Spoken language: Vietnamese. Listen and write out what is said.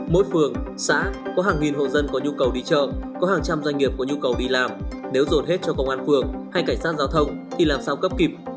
mỗi phường xã có hàng nghìn hộ dân có nhu cầu đi chợ có hàng trăm doanh nghiệp có nhu cầu đi làm nếu dồn hết cho công an phường hay cảnh sát giao thông thì làm sao cấp kịp